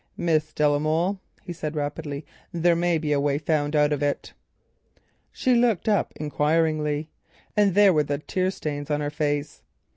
"Miss de la Molle," he said rapidly, "there may be a way found out of it." She looked up enquiringly, and there were the tear stains on her face.